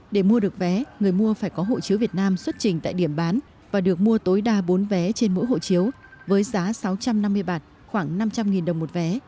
để mua được vé người mua phải có hộ chiếu việt nam xuất trình tại điểm bán và được mua tối đa bốn vé trên mỗi hộ chiếu với giá sáu trăm năm mươi bạt khoảng năm trăm linh đồng một vé